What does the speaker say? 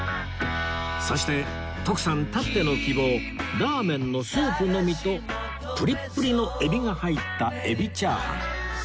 そして徳さんたっての希望ラーメンのスープのみとプリップリのエビが入ったエビ炒飯